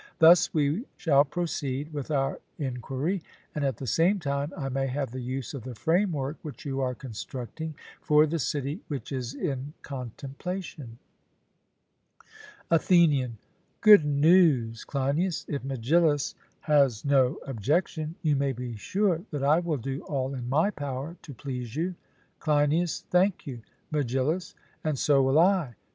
Thus we shall proceed with our enquiry, and, at the same time, I may have the use of the framework which you are constructing, for the city which is in contemplation. ATHENIAN: Good news, Cleinias; if Megillus has no objection, you may be sure that I will do all in my power to please you. CLEINIAS: Thank you. MEGILLUS: And so will I.